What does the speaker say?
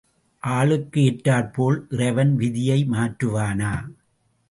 ஆளுக்கு ஏற்றாற் போல் இறைவன் விதியை மாற்றுவானா?